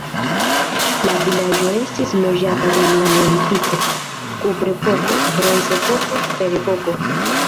La vilaĝo estis loĝata dum la neolitiko, kuprepoko, bronzepoko, ferepoko.